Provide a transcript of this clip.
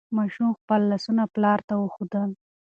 ماشوم خپل لاسونه پلار ته وښودل.